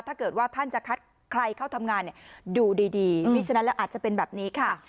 ถ้าเกิดว่าท่านจะคัดใครเข้าทำงานเนี่ยดูดีมีฉะนั้นแล้วอาจจะเป็นแบบนี้ค่ะ